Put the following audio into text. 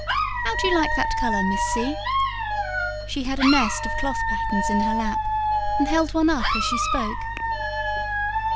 How do you like that colour, Miss C.?" She had a nest of cloth patterns in her lap, and held one up as she spoke.